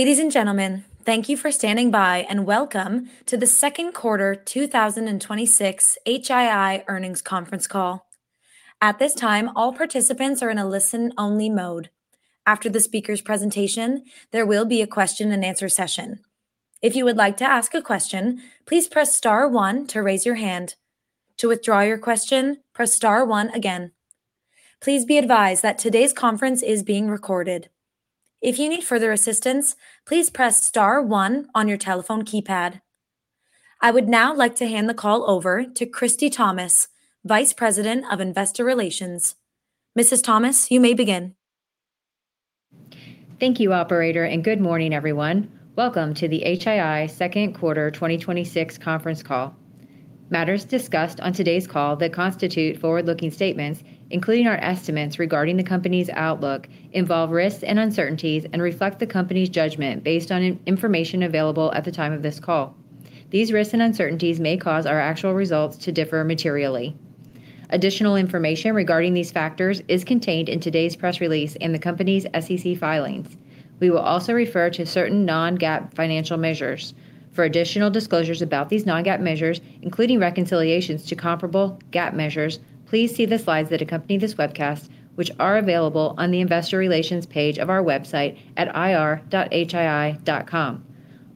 Ladies and gentlemen, thank you for standing by. Welcome to the second quarter 2026 HII earnings conference call. At this time, all participants are in a listen-only mode. After the speaker's presentation, there will be a question-and-answer session. If you would like to ask a question, please press star one to raise your hand. To withdraw your question, press star one again. Please be advised that today's conference is being recorded. If you need further assistance, please press star one on your telephone keypad. I would now like to hand the call over to Christie Thomas, Vice President of Investor Relations. Mrs. Thomas, you may begin. Thank you, operator. Good morning, everyone. Welcome to the HII second quarter 2026 conference call. Matters discussed on today's call that constitute forward-looking statements, including our estimates regarding the company's outlook, involve risks and uncertainties and reflect the company's judgment based on information available at the time of this call. These risks and uncertainties may cause our actual results to differ materially. Additional information regarding these factors is contained in today's press release in the company's SEC filings. We will also refer to certain non-GAAP financial measures. For additional disclosures about these non-GAAP measures, including reconciliations to comparable GAAP measures, please see the slides that accompany this webcast, which are available on the investor relations page of our website at ir.hii.com.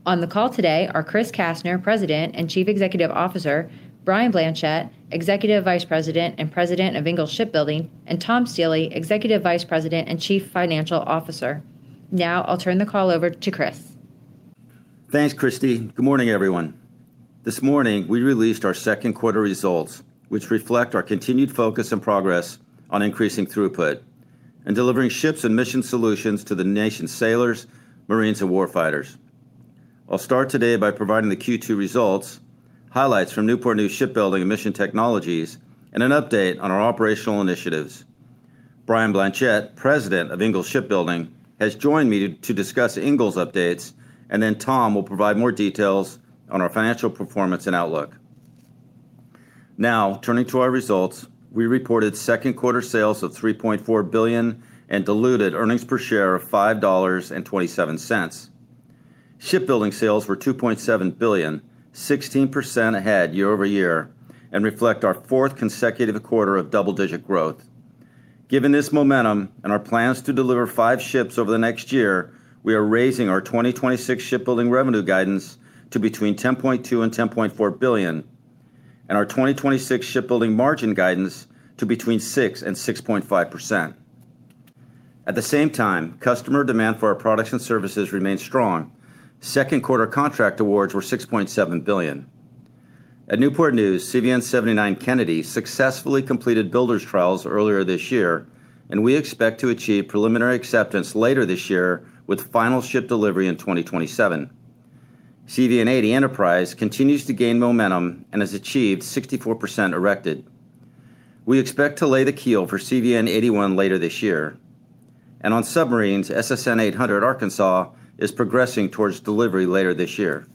On the call today are Chris Kastner, President and Chief Executive Officer, Brian Blanchette, Executive Vice President and President of Ingalls Shipbuilding, and Tom Stiehle, Executive Vice President and Chief Financial Officer. Now I'll turn the call over to Chris. Thanks, Christie. Good morning, everyone. This morning, we released our second quarter results, which reflect our continued focus and progress on increasing throughput and delivering ships and mission solutions to the nation's sailors, marines, and war fighters. I'll start today by providing the Q2 results, highlights from Newport News Shipbuilding and Mission Technologies, and an update on our operational initiatives. Brian Blanchette, President of Ingalls Shipbuilding, has joined me to discuss Ingalls updates. Tom will provide more details on our financial performance and outlook. Turning to our results, we reported second quarter sales of $3.4 billion and diluted earnings per share of $5.27. Shipbuilding sales were $2.7 billion, 16% ahead year-over-year, and reflect our fourth consecutive quarter of double-digit growth. Given this momentum and our plans to deliver five ships over the next year, we are raising our 2026 shipbuilding revenue guidance to between $10.2 billion and $10.4 billion, and our 2026 shipbuilding margin guidance to between 6% and 6.5%. At the same time, customer demand for our products and services remains strong. Second quarter contract awards were $6.7 billion. At Newport News, CVN 79 Kennedy successfully completed builder's trials earlier this year, and we expect to achieve preliminary acceptance later this year with final ship delivery in 2027. CVN 80 Enterprise continues to gain momentum and has achieved 64% erected. We expect to lay the keel for CVN 81 later this year. On submarines, SSN 800 Arkansas is progressing towards delivery later this year.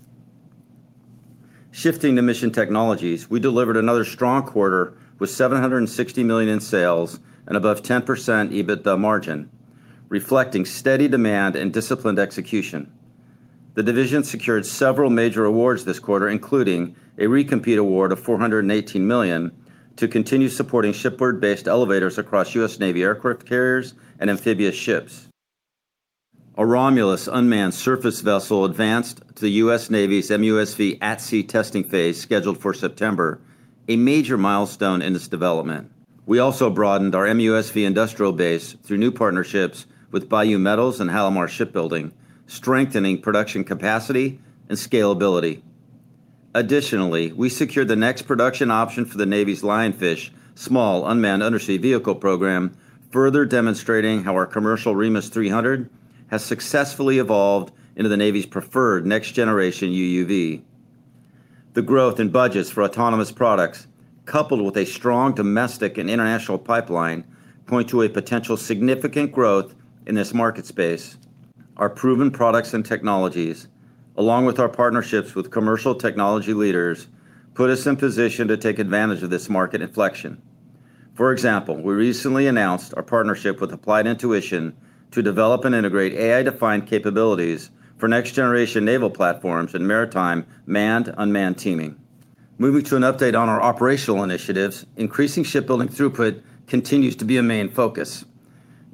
Shifting to Mission Technologies, we delivered another strong quarter with $760 million in sales and above 10% EBITDA margin, reflecting steady demand and disciplined execution. The division secured several major awards this quarter, including a recompete award of $418 million to continue supporting shipboard-based elevators across U.S. Navy aircraft carriers and amphibious ships. Our ROMULUS unmanned surface vessel advanced to the U.S. Navy's MUSV at-sea testing phase scheduled for September, a major milestone in its development. We also broadened our MUSV industrial base through new partnerships with Bayou Metals and Halimar Shipyard, strengthening production capacity and scalability. Additionally, we secured the next production option for the Navy's Lionfish small unmanned undersea vehicle program, further demonstrating how our commercial REMUS 300 has successfully evolved into the Navy's preferred next generation UUV. The growth in budgets for autonomous products, coupled with a strong domestic and international pipeline, point to a potential significant growth in this market space. Our proven products and technologies, along with our partnerships with commercial technology leaders, put us in position to take advantage of this market inflection. For example, we recently announced our partnership with Applied Intuition to develop and integrate AI-defined capabilities for next generation naval platforms and maritime manned-unmanned teaming. Moving to an update on our operational initiatives, increasing shipbuilding throughput continues to be a main focus.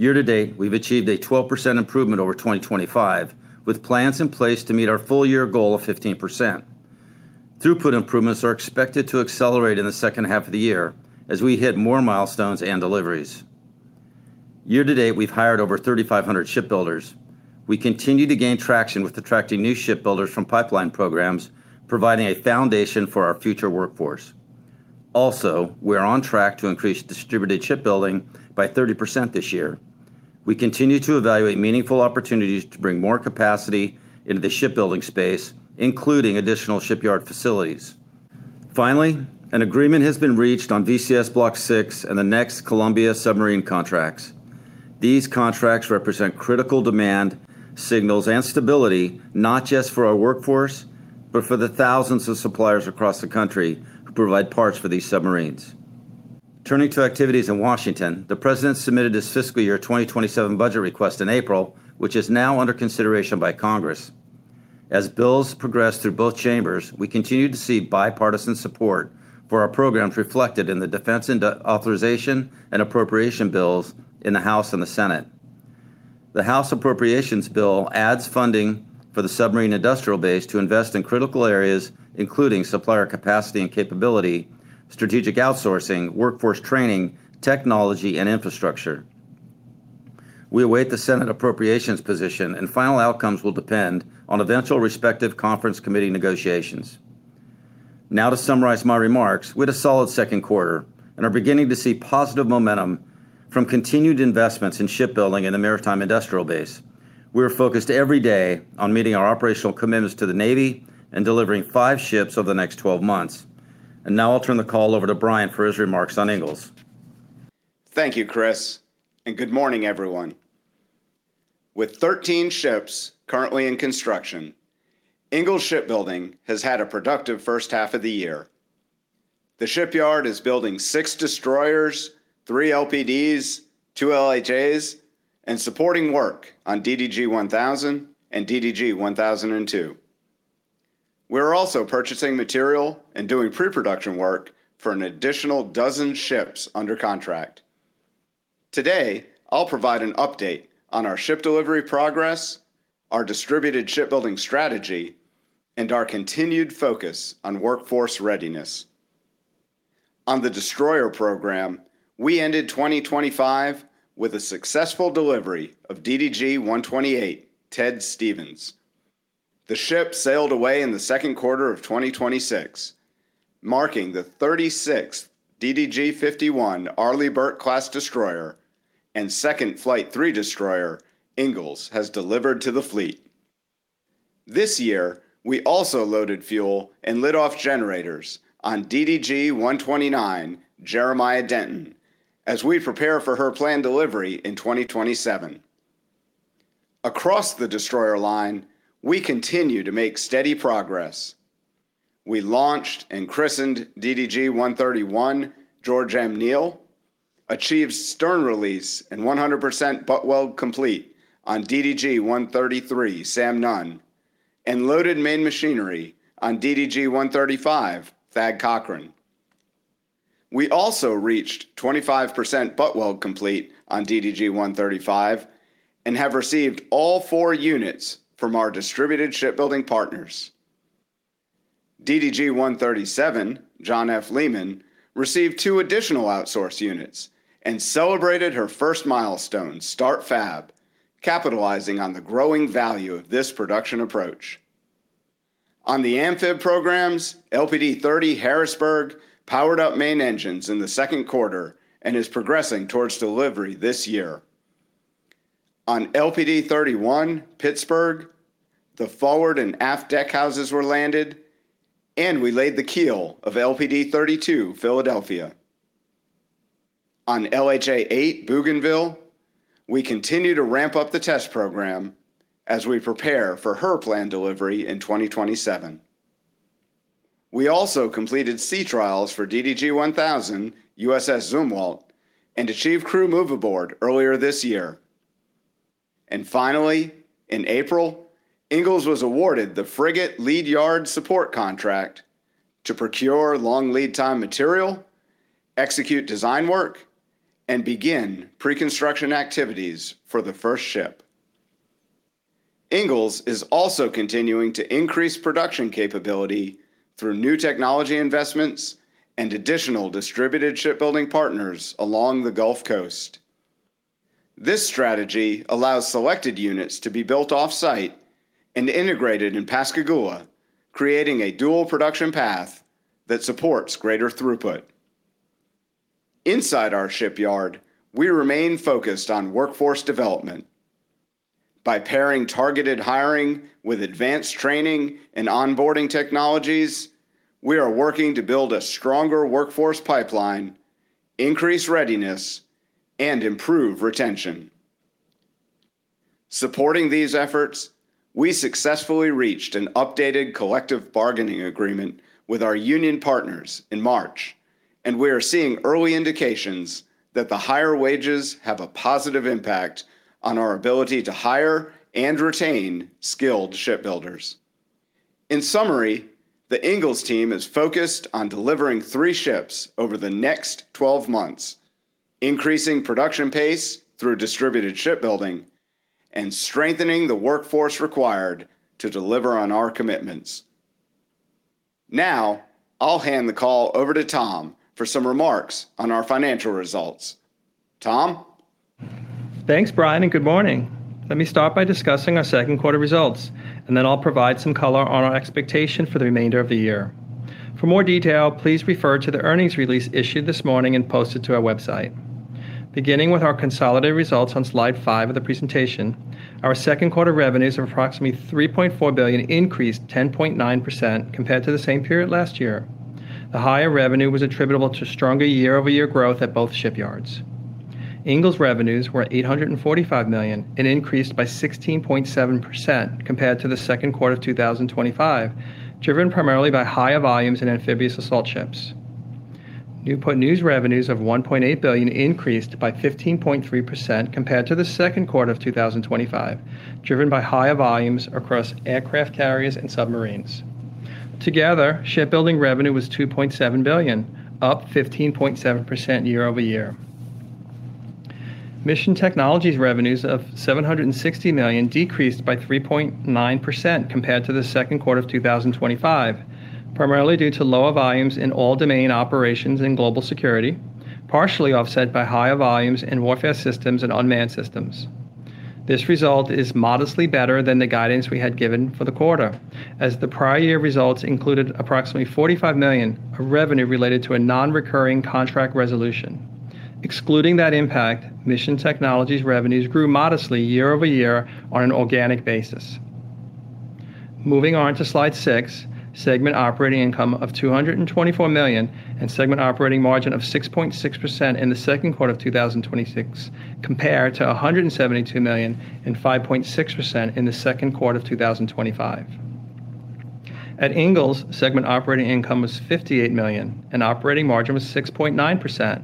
Year to date, we've achieved a 12% improvement over 2025, with plans in place to meet our full year goal of 15%. Throughput improvements are expected to accelerate in the second half of the year as we hit more milestones and deliveries. Year to date, we've hired over 3,500 shipbuilders. We continue to gain traction with attracting new shipbuilders from pipeline programs, providing a foundation for our future workforce. Also we're on track to increase distributed shipbuilding by 30% this year. We continue to evaluate meaningful opportunities to bring more capacity into the shipbuilding space, including additional shipyard facilities. Finally, an agreement has been reached on VCS Block VI and the next Columbia submarine contracts. These contracts represent critical demand signals and stability, not just for our workforce, but for the thousands of suppliers across the country who provide parts for these submarines. Turning to activities in Washington, the President submitted his fiscal year 2027 budget request in April, which is now under consideration by Congress. As bills progress through both chambers, we continue to see bipartisan support for our programs reflected in the defense authorization and appropriation bills in the House and the Senate. The House Appropriations bill adds funding for the submarine industrial base to invest in critical areas, including supplier capacity and capability, strategic outsourcing, workforce training, technology, and infrastructure. We await the Senate Appropriations position, and final outcomes will depend on eventual respective conference committee negotiations. To summarize my remarks, we had a solid second quarter and are beginning to see positive momentum from continued investments in shipbuilding in the maritime industrial base. We are focused every day on meeting our operational commitments to the Navy and delivering five ships over the next 12 months. I'll turn the call over to Brian for his remarks on Ingalls. Thank you, Chris. Good morning, everyone. With 13 ships currently in construction, Ingalls Shipbuilding has had a productive first half of the year. The shipyard is building six destroyers, three LPDs, two LHAs, and supporting work on DDG 1000 and DDG 1002. We're also purchasing material and doing pre-production work for an additional dozen ships under contract. Today, I'll provide an update on our ship delivery progress, our distributed shipbuilding strategy, and our continued focus on workforce readiness. On the destroyer program, we ended 2025 with a successful delivery of DDG 128, Ted Stevens. The ship sailed away in the second quarter of 2026, marking the 36th DDG 51 Arleigh Burke-class destroyer and second Flight III destroyer Ingalls has delivered to the fleet. This year, we also loaded fuel and lit off generators on DDG 129, Jeremiah Denton, as we prepare for her planned delivery in 2027. Across the destroyer line, we continue to make steady progress. We launched and christened DDG 131, George M. Neal, achieved stern release and 100% butt weld complete on DDG 133, Sam Nunn, and loaded main machinery on DDG 135, Thad Cochran. We also reached 25% butt weld complete on DDG 135 and have received all four units from our distributed shipbuilding partners. DDG 137, John F. Lehman, received two additional outsourced units and celebrated her first milestone, start fab, capitalizing on the growing value of this production approach. On the amphib programs, LPD 30, Harrisburg, powered up main engines in the second quarter and is progressing towards delivery this year. On LPD 31, Pittsburgh, the forward and aft deck houses were landed, and we laid the keel of LPD 32, Philadelphia. On LHA 8, Bougainville, we continue to ramp up the test program as we prepare for her planned delivery in 2027. We also completed sea trials for DDG 1000, USS Zumwalt, and achieved crew move aboard earlier this year. Finally, in April, Ingalls was awarded the frigate lead yard support contract to procure long lead time material, execute design work, and begin pre-construction activities for the first ship. Ingalls is also continuing to increase production capability through new technology investments and additional distributed shipbuilding partners along the Gulf Coast. This strategy allows selected units to be built off-site and integrated in Pascagoula, creating a dual production path that supports greater throughput. Inside our shipyard, we remain focused on workforce development. By pairing targeted hiring with advanced training and onboarding technologies, we are working to build a stronger workforce pipeline, increase readiness, and improve retention. Supporting these efforts, we successfully reached an updated collective bargaining agreement with our union partners in March, and we are seeing early indications that the higher wages have a positive impact on our ability to hire and retain skilled shipbuilders. In summary, the Ingalls team is focused on delivering three ships over the next 12 months, increasing production pace through distributed shipbuilding, and strengthening the workforce required to deliver on our commitments. I'll hand the call over to Tom for some remarks on our financial results. Tom? Thanks, Brian, and good morning. Let me start by discussing our second quarter results, and then I'll provide some color on our expectation for the remainder of the year. For more detail, please refer to the earnings release issued this morning and posted to our website. Beginning with our consolidated results on slide five of the presentation, our second quarter revenues of approximately $3.4 billion increased 10.9% compared to the same period last year. The higher revenue was attributable to stronger year-over-year growth at both shipyards. Ingalls' revenues were $845 million and increased by 16.7% compared to the second quarter of 2025, driven primarily by higher volumes in amphibious assault ships. Newport News revenues of $1.8 billion increased by 15.3% compared to the second quarter of 2025, driven by higher volumes across aircraft carriers and submarines. Together, shipbuilding revenue was $2.7 billion, up 15.7% year-over-year. Mission Technologies' revenues of $760 million decreased by 3.9% compared to the second quarter of 2025, primarily due to lower volumes in all domain operations in global security, partially offset by higher volumes in warfare systems and unmanned systems. This result is modestly better than the guidance we had given for the quarter, as the prior year results included approximately $45 million of revenue related to a non-recurring contract resolution. Excluding that impact, Mission Technologies' revenues grew modestly year-over-year on an organic basis. Moving on to slide six, segment operating income of $224 million and segment operating margin of 6.6% in the second quarter of 2026, compared to $172 million and 5.6% in the second quarter of 2025. At Ingalls, segment operating income was $58 million and operating margin was 6.9%,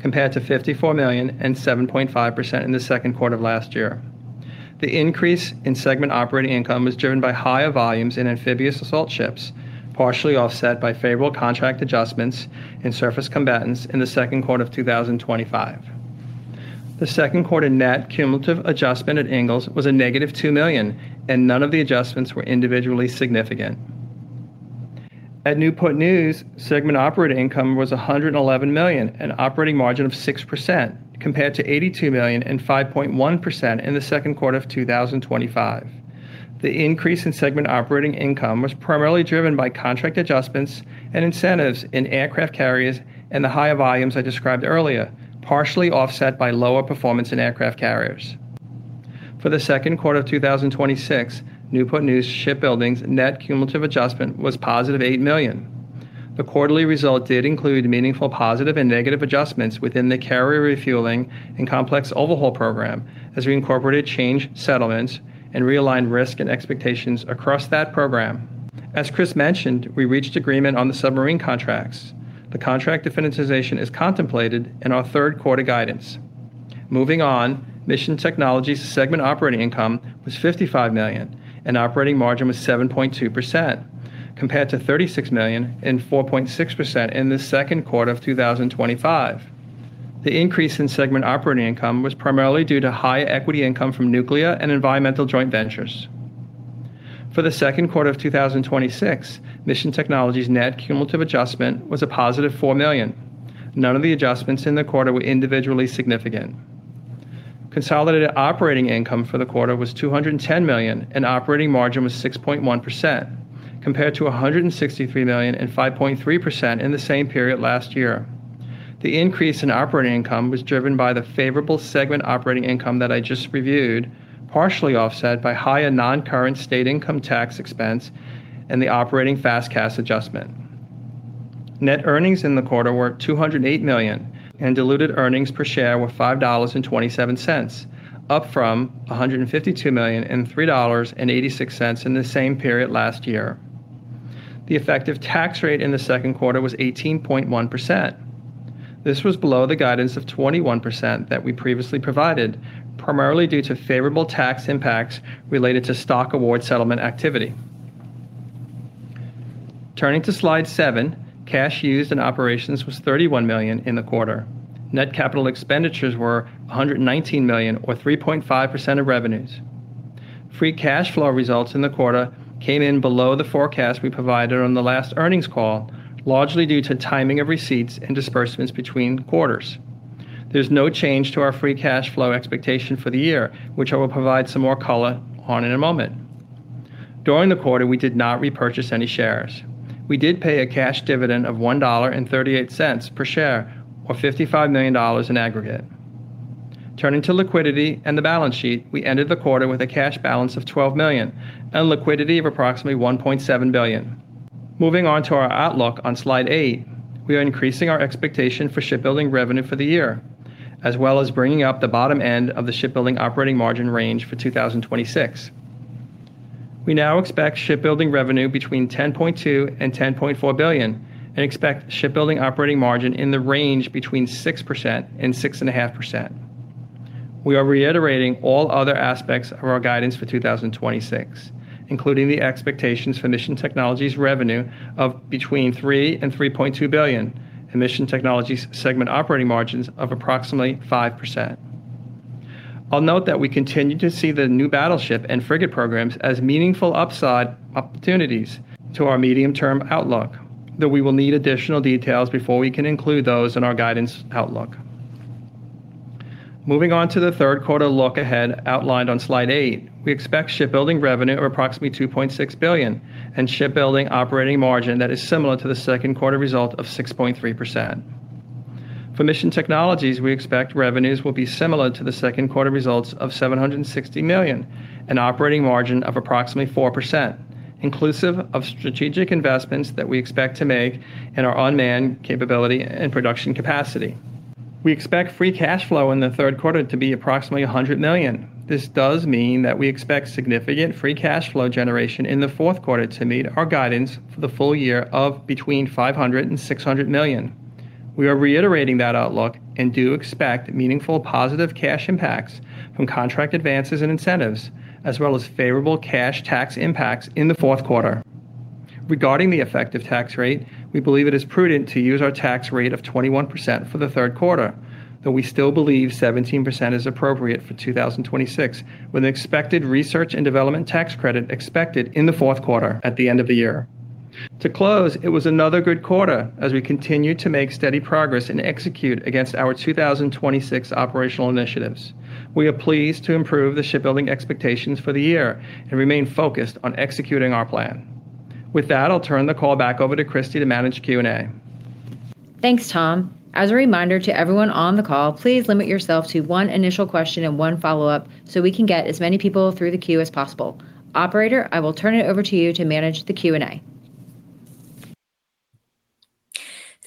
compared to $54 million and 7.5% in the second quarter of last year. The increase in segment operating income was driven by higher volumes in amphibious assault ships, partially offset by favorable contract adjustments in surface combatants in the second quarter of 2025. The second quarter net cumulative adjustment at Ingalls was a negative $2 million, and none of the adjustments were individually significant. At Newport News, segment operating income was $111 million, an operating margin of 6%, compared to $82 million and 5.1% in the second quarter of 2025. The increase in segment operating income was primarily driven by contract adjustments and incentives in aircraft carriers and the higher volumes I described earlier, partially offset by lower performance in aircraft carriers. For the second quarter of 2026, Newport News Shipbuilding's net cumulative adjustment was positive $8 million. The quarterly result did include meaningful positive and negative adjustments within the carrier refueling and complex overhaul program as we incorporated change settlements and realigned risk and expectations across that program. As Chris mentioned, we reached agreement on the submarine contracts. The contract definitization is contemplated in our third quarter guidance. Moving on, Mission Technologies segment operating income was $55 million, and operating margin was 7.2%, compared to $36 million and 4.6% in the second quarter of 2025. The increase in segment operating income was primarily due to higher equity income from nuclear and environmental joint ventures. For the second quarter of 2026, Mission Technologies' net cumulative adjustment was a positive $4 million. None of the adjustments in the quarter were individually significant. Consolidated operating income for the quarter was $210 million, and operating margin was 6.1%, compared to $163 million and 5.3% in the same period last year. The increase in operating income was driven by the favorable segment operating income that I just reviewed, partially offset by higher non-current state income tax expense and the operating FAS/CAS adjustment. Net earnings in the quarter were $208 million, and diluted earnings per share were $5.27, up from $152 million and $3.86 in the same period last year. The effective tax rate in the second quarter was 18.1%. This was below the guidance of 21% that we previously provided, primarily due to favorable tax impacts related to stock award settlement activity. Turning to slide seven, cash used in operations was $31 million in the quarter. Net capital expenditures were $119 million, or 3.5% of revenues. Free cash flow results in the quarter came in below the forecast we provided on the last earnings call, largely due to timing of receipts and disbursements between quarters. There's no change to our free cash flow expectation for the year, which I will provide some more color on in a moment. During the quarter, we did not repurchase any shares. We did pay a cash dividend of $1.38 per share, or $55 million in aggregate. Turning to liquidity and the balance sheet, we ended the quarter with a cash balance of $12 million and liquidity of approximately $1.7 billion. Moving on to our outlook on slide eight, we are increasing our expectation for shipbuilding revenue for the year, as well as bringing up the bottom end of the shipbuilding operating margin range for 2026. We now expect shipbuilding revenue between $10.2 billion and $10.4 billion and expect shipbuilding operating margin in the range between 6% and 6.5%. We are reiterating all other aspects of our guidance for 2026, including the expectations for Mission Technologies revenue of between $3 billion and $3.2 billion and Mission Technologies segment operating margins of approximately 5%. I'll note that we continue to see the new battleship and frigate programs as meaningful upside opportunities to our medium-term outlook, though we will need additional details before we can include those in our guidance outlook. Moving on to the third quarter look-ahead outlined on slide eight, we expect shipbuilding revenue of approximately $2.6 billion and shipbuilding operating margin that is similar to the second quarter result of 6.3%. For Mission Technologies, we expect revenues will be similar to the second quarter results of $760 million and operating margin of approximately 4%. Inclusive of strategic investments that we expect to make in our unmanned capability and production capacity. We expect free cash flow in the third quarter to be approximately $100 million. This does mean that we expect significant free cash flow generation in the fourth quarter to meet our guidance for the full year of between $500 million and $600 million. We are reiterating that outlook and do expect meaningful positive cash impacts from contract advances and incentives, as well as favorable cash tax impacts in the fourth quarter. Regarding the effective tax rate, we believe it is prudent to use our tax rate of 21% for the third quarter, though we still believe 17% is appropriate for 2026, with an expected research and development tax credit expected in the fourth quarter at the end of the year. To close, it was another good quarter as we continue to make steady progress and execute against our 2026 operational initiatives. We are pleased to improve the shipbuilding expectations for the year and remain focused on executing our plan. With that, I'll turn the call back over to Christie to manage Q&A. Thanks, Tom. As a reminder to everyone on the call, please limit yourself to one initial question and one follow-up, so we can get as many people through the queue as possible. Operator, I will turn it over to you to manage the Q&A.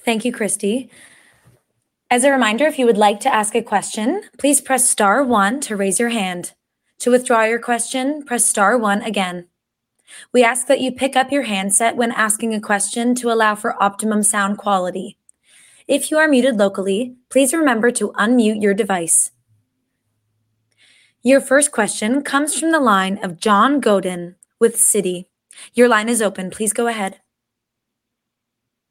Thank you, Christie. As a reminder, if you would like to ask a question, please press star one to raise your hand. To withdraw your question, press star one again. We ask that you pick up your handset when asking a question to allow for optimum sound quality. If you are muted locally, please remember to unmute your device. Your first question comes from the line of John Godyn with Citi. Your line is open. Please go ahead.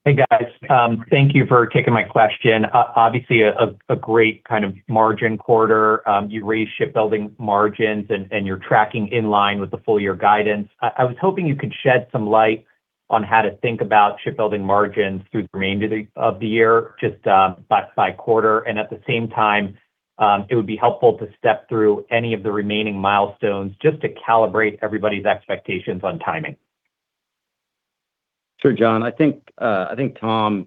Hey, guys. Thank you for taking my question. Obviously, a great kind of margin quarter. You raised shipbuilding margins, and you're tracking in line with the full-year guidance. I was hoping you could shed some light on how to think about shipbuilding margins through the remainder of the year, just by quarter. At the same time, it would be helpful to step through any of the remaining milestones, just to calibrate everybody's expectations on timing. Sure, John. I think Tom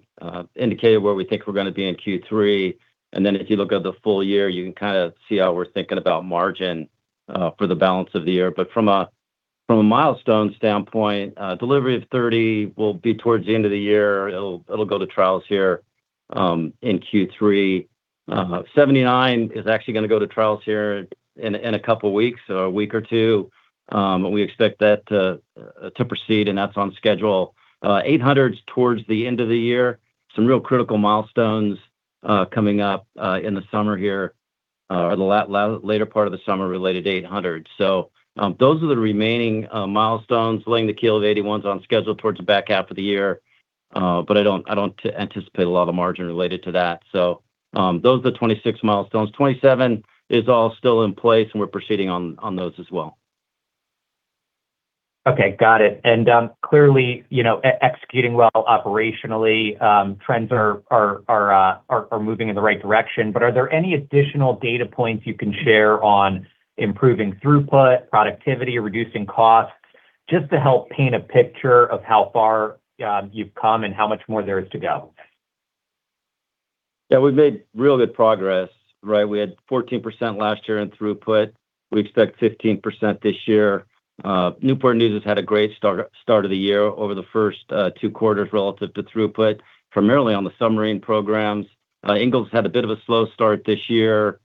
indicated where we think we're going to be in Q3. If you look at the full year, you can kind of see how we're thinking about margin for the balance of the year. From a milestone standpoint, delivery of LPD 30 will be towards the end of the year. It'll go to trials here in Q3. CVN 79 is actually going to go to trials here in a couple of weeks, a week or two. We expect that to proceed. That's on schedule. SSN 800 is towards the end of the year. Some real critical milestones coming up in the summer here, or the later part of the summer related to SSN 800. Those are the remaining milestones. Laying the keel of CVN 81 is on schedule towards the back half of the year, but I don't anticipate a lot of margin related to that. Those are the 26 milestones. 27 is all still in place. We're proceeding on those as well. Okay, got it. Clearly, executing well operationally, trends are moving in the right direction. Are there any additional data points you can share on improving throughput, productivity, reducing costs, just to help paint a picture of how far you've come and how much more there is to go? Yeah, we've made real good progress, right? We had 14% last year in throughput. We expect 15% this year. Newport News has had a great start of the year over the first two quarters relative to throughput, primarily on the submarine programs. Ingalls had a bit of a slow start this year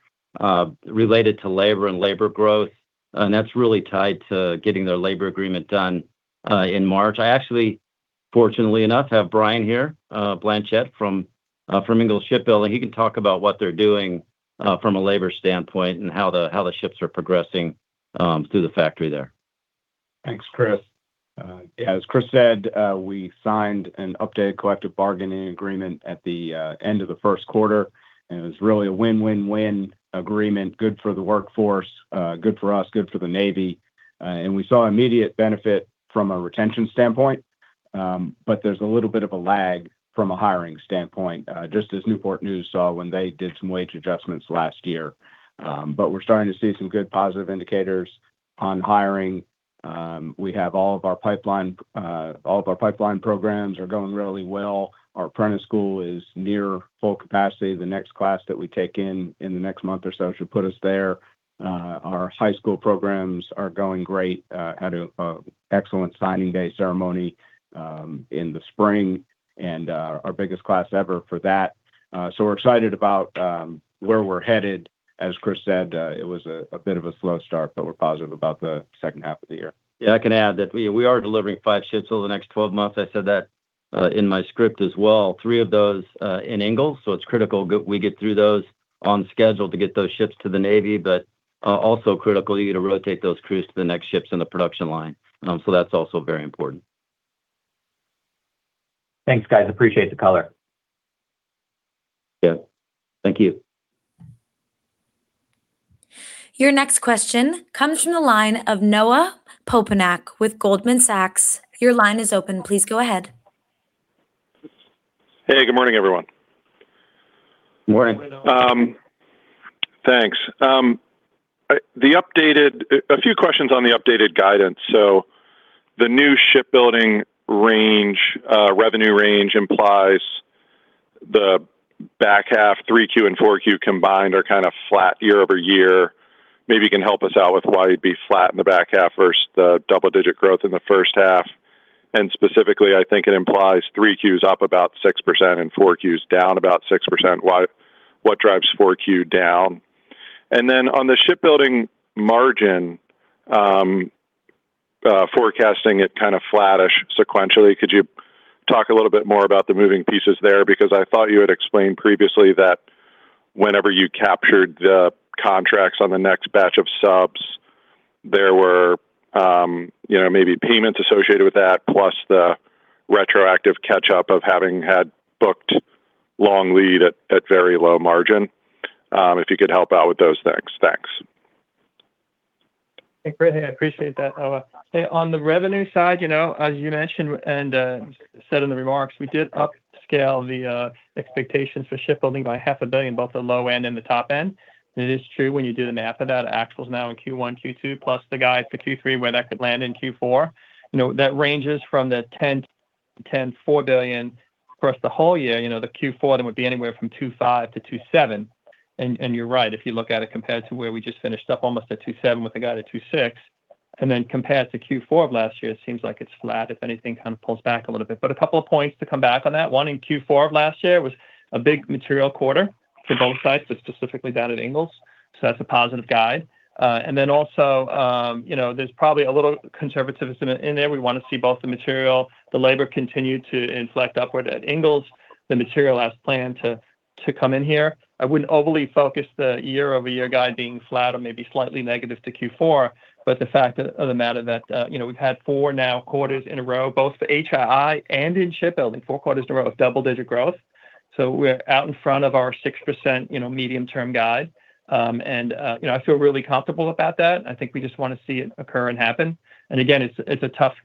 related to labor and labor growth, and that's really tied to getting their labor agreement done in March. I actually, fortunately enough, have Brian here, Blanchette, from Ingalls Shipbuilding. He can talk about what they're doing from a labor standpoint and how the ships are progressing through the factory there. Thanks, Chris. As Chris said, we signed an updated collective bargaining agreement at the end of the first quarter. It was really a win-win-win agreement. Good for the workforce, good for us, good for the Navy. We saw immediate benefit from a retention standpoint, but there's a little bit of a lag from a hiring standpoint, just as Newport News saw when they did some wage adjustments last year. We're starting to see some good positive indicators on hiring. We have all of our pipeline programs are going really well. Our apprentice school is near full capacity. The next class that we take in the next month or so, should put us there. Our high school programs are going great. Had an excellent signing day ceremony in the spring and our biggest class ever for that. We're excited about where we're headed. As Chris said, it was a bit of a slow start, but we're positive about the second half of the year. Yeah, I can add that we are delivering five ships over the next 12 months. I said that in my script as well. Three of those in Ingalls, it's critical we get through those on schedule to get those ships to the Navy, but also critically to rotate those crews to the next ships in the production line. That's also very important. Thanks, guys. Appreciate the color. Yeah. Thank you. Your next question comes from the line of Noah Poponak with Goldman Sachs. Your line is open. Please go ahead. Hey, good morning, everyone. Morning. Thanks. A few questions on the updated guidance. The new shipbuilding revenue range implies back half 3Q and 4Q combined are kind of flat year-over-year. Maybe you can help us out with why you'd be flat in the back half versus the double-digit growth in the first half. Specifically, I think it implies 3Q is up about 6% and 4Q is down about 6%. What drives 4Q down? Then on the shipbuilding margin, forecasting it kind of flattish sequentially, could you talk a little bit more about the moving pieces there? I thought you had explained previously that whenever you captured the contracts on the next batch of subs, there were maybe payments associated with that, plus the retroactive catch-up of having had booked long lead at very low margin. If you could help out with those next. Thanks. Great. Hey, I appreciate that. On the revenue side, as you mentioned and said in the remarks, we did upscale the expectations for shipbuilding by half a billion, both the low end and the top end. It is true when you do the math of that, actuals now in Q1, Q2, plus the guide for Q3, where that could land in Q4. That ranges from the $10.4 billion across the whole year. The Q4 then would be anywhere from $2.5 billion-$2.7 billion. You're right. If you look at it compared to where we just finished up, almost at $2.7 billion with a guide of $2.6 billion, then compared to Q4 of last year, it seems like it's flat, if anything, kind of pulls back a little bit. A couple of points to come back on that. One, in Q4 of last year was a big material quarter for both sides, but specifically that at Ingalls. That's a positive guide. Then also, there's probably a little conservatism in there. We want to see both the material, the labor continue to inflect upward at Ingalls, the material as planned to come in here. I wouldn't overly focus the year-over-year guide being flat or maybe slightly negative to Q4, but the fact of the matter that we've had four now quarters in a row, both for HII and in shipbuilding, four quarters in a row of double-digit growth. We're out in front of our 6% medium-term guide. I feel really comfortable about that. I think we just want to see it occur and happen. Again, it's a tough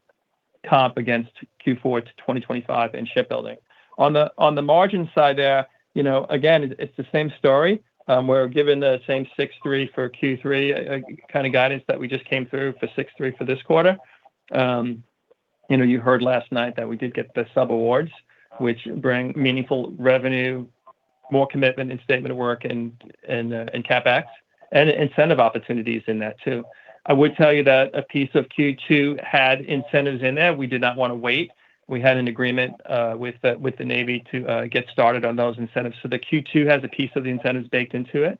comp against Q4 to 2025 in shipbuilding. On the margin side there, again, it's the same story. We're given the same 6.3% for Q3, kind of guidance that we just came through for 6.3% for this quarter. You heard last night that we did get the subawards, which bring meaningful revenue, more commitment in statement of work and CapEx and incentive opportunities in that, too. I would tell you that a piece of Q2 had incentives in there. We did not want to wait. We had an agreement with the Navy to get started on those incentives. The Q2 has a piece of the incentives baked into it.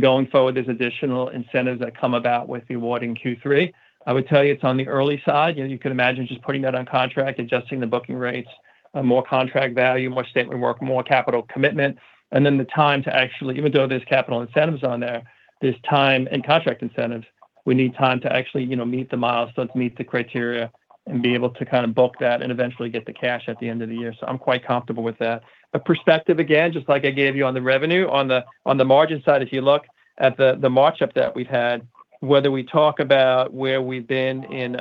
Going forward, there's additional incentives that come about with the award in Q3. I would tell you it's on the early side. You could imagine just putting that on contract, adjusting the booking rates, more contract value, more statement of work, more capital commitment. The time to actually, even though there's capital incentives on there's time and contract incentives. We need time to actually meet the milestones, meet the criteria, and be able to book that and eventually get the cash at the end of the year. I'm quite comfortable with that. A perspective, again, just like I gave you on the revenue, on the margin side, if you look at the march-up that we've had, whether we talk about where we've been in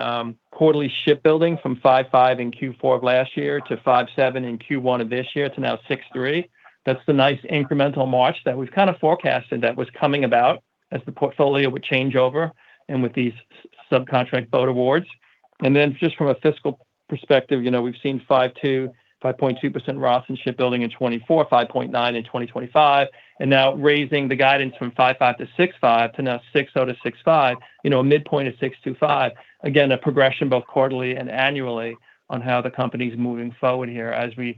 quarterly shipbuilding from 5.5% in Q4 of last year to 5.7% in Q1 of this year to now 6.3%. That's the nice incremental march that we've kind of forecasted that was coming about as the portfolio would change over and with these subcontract boat awards. Just from a fiscal perspective, we've seen 5.2% ROIC in shipbuilding in 2024, 5.9% in 2025, and now raising the guidance from 5.5%-6.5% to now 6.0%-6.5%, a midpoint of 6.25%. Again, a progression both quarterly and annually on how the company's moving forward here as the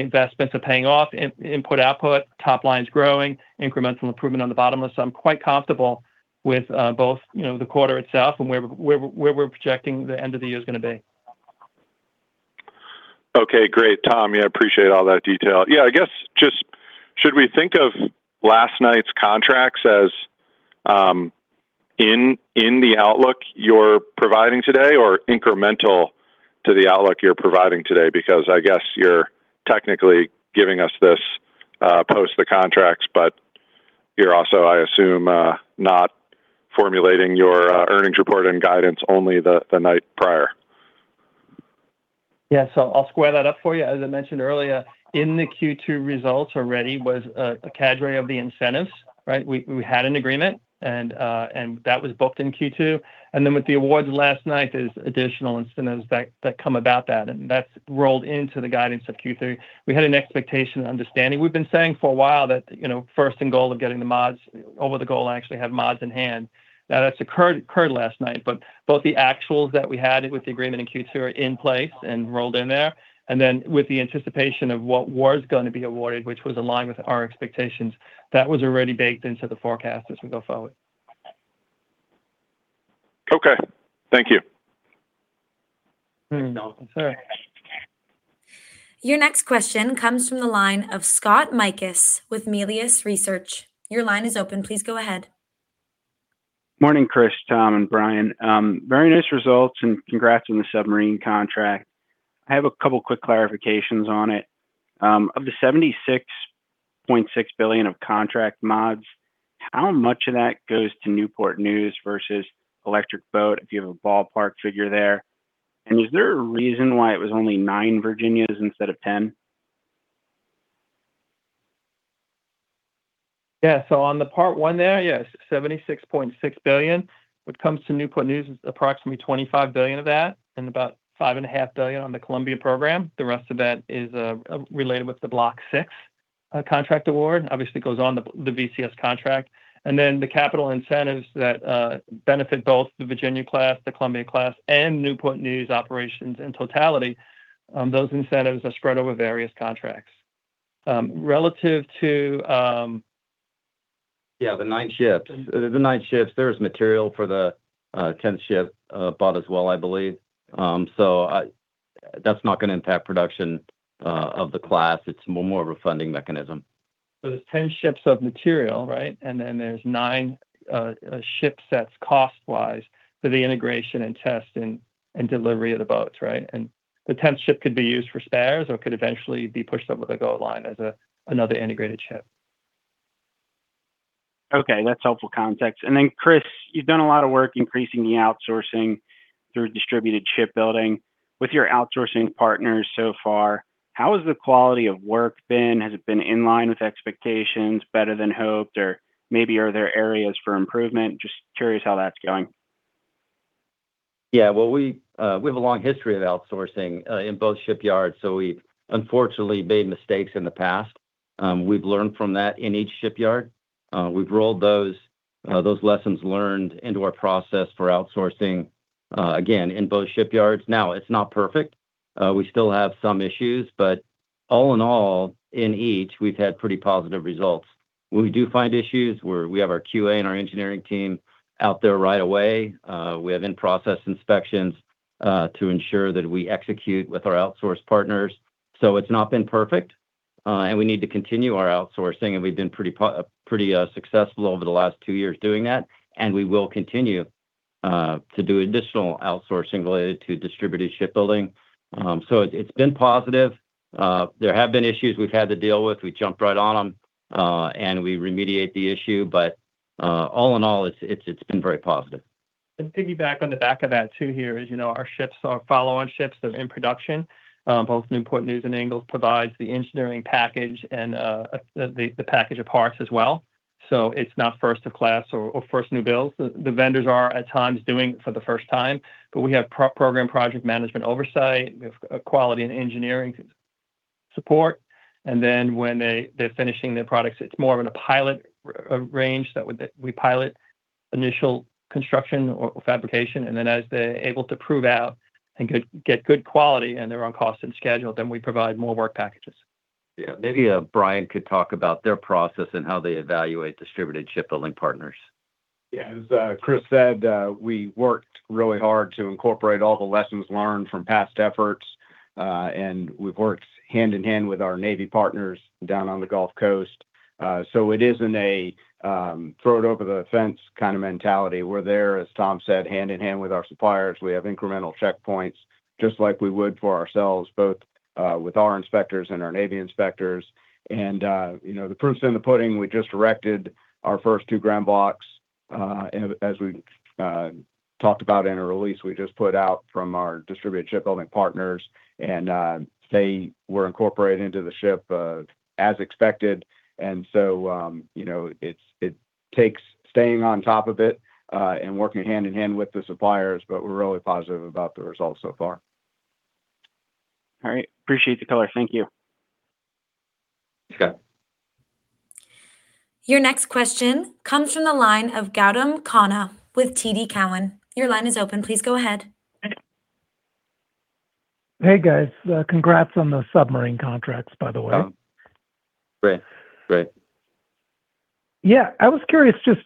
investments are paying off, input, output, top line's growing, incremental improvement on the bottom line. I'm quite comfortable with both the quarter itself and where we're projecting the end of the year is going to be. Okay, great, Tom. Appreciate all that detail. I guess, just should we think of last night's contracts as in the outlook you're providing today or incremental to the outlook you're providing today? I guess you're technically giving us this post the contracts, but you're also, I assume, not formulating your earnings report and guidance only the night prior. Yeah. I'll square that up for you. As I mentioned earlier, in the Q2 results already was a cadre of the incentives, right? We had an agreement, and that was booked in Q2. With the awards last night, there's additional incentives that come about that, and that's rolled into the guidance of Q3. We had an expectation and understanding. We've been saying for a while that first end goal of getting the mods, well, the goal actually have mods in hand. That's occurred last night, but both the actuals that we had with the agreement in Q2 are in place and rolled in there. With the anticipation of what was going to be awarded, which was in line with our expectations, that was already baked into the forecast as we go forward. Okay. Thank you. [inaudible] Your next question comes from the line of Scott Mikus with Melius Research. Your line is open. Please go ahead. Morning, Chris, Tom, and Brian. Very nice results, congrats on the submarine contract. I have a couple quick clarifications on it. Of the $76.6 billion of contract mods, how much of that goes to Newport News versus Electric Boat, if you have a ballpark figure there? Is there a reason why it was only nine Virginias instead of 10? Yeah. On the part one there, yes, $76.6 billion. What comes to Newport News is approximately $25 billion of that and about $5.5 billion on the Columbia program. The rest of that is related with the Block VI contract award. Obviously, it goes on the VCS contract. The capital incentives that benefit both the Virginia class, the Columbia class, and Newport News operations in totality, those incentives are spread over various contracts. Relative to- Yeah, the nine ships. There's material for the 10th ship bought as well, I believe. That's not going to impact production of the class. It's more of a funding mechanism. There's 10 ships of material, right? There's nine ship sets cost-wise for the integration and test and delivery of the boats, right? The 10th ship could be used for spares or could eventually be pushed over the goal line as another integrated ship. Okay, that's helpful context. Chris, you've done a lot of work increasing the outsourcing through distributed shipbuilding. With your outsourcing partners so far, how has the quality of work been? Has it been in line with expectations, better than hoped, or maybe are there areas for improvement? Just curious how that's going. Yeah. Well, we have a long history of outsourcing in both shipyards, we've unfortunately made mistakes in the past. We've learned from that in each shipyard. We've rolled those lessons learned into our process for outsourcing, again, in both shipyards. It's not perfect. We still have some issues, but all in all, in each, we've had pretty positive results. When we do find issues, we have our QA and our engineering team out there right away. We have in-process inspections to ensure that we execute with our outsource partners. It's not been perfect, we need to continue our outsourcing, we've been pretty successful over the last two years doing that, and we will continue to do additional outsourcing related to distributed shipbuilding. It's been positive. There have been issues we've had to deal with. We jump right on them, and we remediate the issue, but all in all, it's been very positive. Piggyback on the back of that too here is, our follow-on ships that are in production, both Newport News and Ingalls, provides the engineering package and the package of parts as well. It's not first of class or first new builds. The vendors are, at times, doing it for the first time, we have program project management oversight. We have quality and engineering support, and then when they're finishing their products, it's more of in a pilot range. We pilot initial construction or fabrication, and then as they're able to prove out and get good quality and they're on cost and schedule, then we provide more work packages. Yeah. Maybe Brian could talk about their process and how they evaluate distributed shipbuilding partners. Yeah. As Chris said, we worked really hard to incorporate all the lessons learned from past efforts, and we've worked hand-in-hand with our Navy partners down on the Gulf Coast. It isn't a throw-it-over-the-fence kind of mentality. We're there, as Tom said, hand-in-hand with our suppliers. We have incremental checkpoints just like we would for ourselves, both with our inspectors and our Navy inspectors. The proof's in the pudding. We just erected our first two ground blocks, and as we talked about in a release we just put out from our distributed shipbuilding partners, and they were incorporated into the ship as expected. It takes staying on top of it, and working hand-in-hand with the suppliers, but we're really positive about the results so far. All right. Appreciate the color. Thank you. Sure. Your next question comes from the line of Gautam Khanna with TD Cowen. Your line is open. Please go ahead. Hey, guys. Congrats on the submarine contracts, by the way. Oh. Great. Yeah. I was curious, just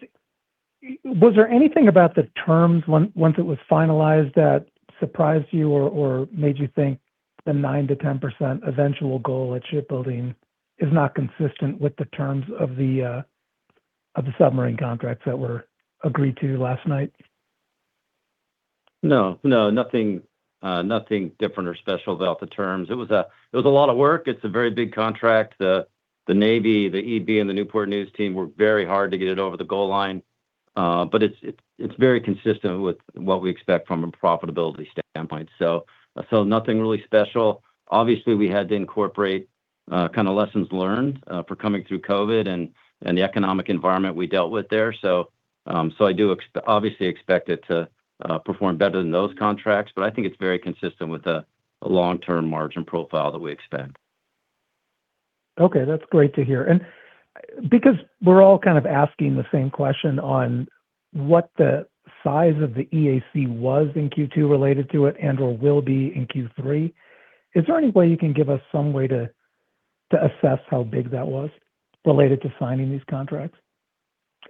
was there anything about the terms once it was finalized that surprised you or made you think the 9%-10% eventual goal at shipbuilding is not consistent with the terms of the submarine contracts that were agreed to last night? No, nothing different or special about the terms. It was a lot of work. It's a very big contract. The Navy, the EB, and the Newport News team worked very hard to get it over the goal line. It's very consistent with what we expect from a profitability standpoint. Nothing really special. Obviously, we had to incorporate lessons learned for coming through COVID and the economic environment we dealt with there. I do obviously expect it to perform better than those contracts, but I think it's very consistent with the long-term margin profile that we expect. Okay, that's great to hear. Because we're all kind of asking the same question on what the size of the EAC was in Q2 related to it and/or will be in Q3, is there any way you can give us some way to assess how big that was related to signing these contracts?